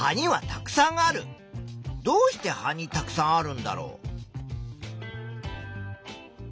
どうして葉にたくさんあるんだろう。